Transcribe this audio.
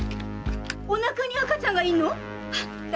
〔お腹に赤ちゃんがいるの？